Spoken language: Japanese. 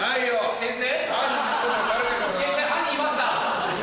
先生犯人いました。